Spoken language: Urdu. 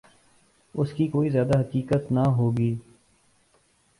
اس کی کوئی زیادہ حقیقت نہ ہو گی۔